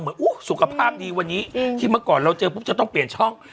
สุขภาพดีวันนี้ที่เมื่อก่อนเราเจอปุ๊บจะต้องเปลี่ยนช่อง